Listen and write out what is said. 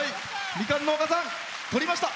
みかん農家さんとりました。